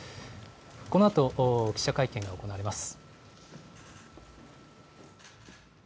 このあと記者会見が行われます。